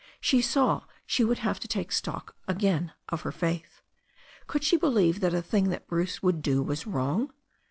She saw she would have to take stock again of her faith. Could she believe that a thing that Bruce would do was wrong?